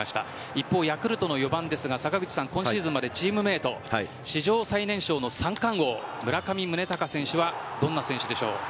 一方、ヤクルトの４番ですが今シーズンまでチームメート史上最年少の三冠王村上宗隆選手はどんな選手でしょうか？